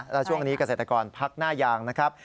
และช่วงนี้เกษตรกรพักหน้ายางนะครับ